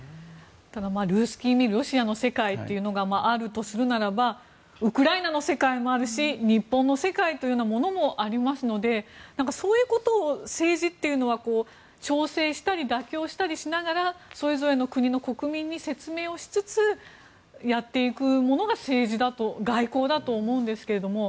ただ、ルースキー・ミールロシアの世界というのがあるとするならばウクライナの世界もあるし日本の世界というものもありますのでそういうことを政治というのは調整したり妥協したりしながらそれぞれの国の国民に説明をしつつやっていくものが政治、外交だと思うんですけれど。